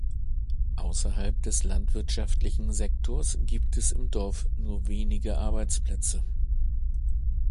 Ausserhalb des landwirtschaftlichen Sektors gibt es im Dorf nur wenige Arbeitsplätze.